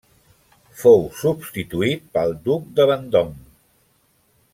Fou substituït pel Duc de Vendôme.